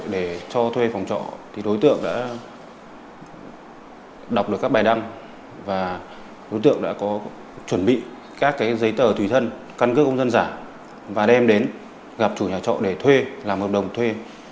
để cho thuê phòng trọ đối tượng đã đọc được các bài đăng và đối tượng đã có chuẩn bị các giấy tờ tùy thân căn cước công dân giả và đem đến gặp chủ nhà trọ để thuê làm hợp đồng thuê